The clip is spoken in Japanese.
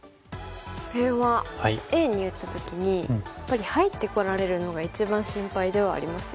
これはＡに打った時にやっぱり入ってこられるのが一番心配ではありますよね。